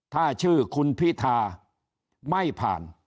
ถ้าชื่อคุณพิธาไม่ผ่าน